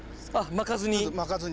巻かずに。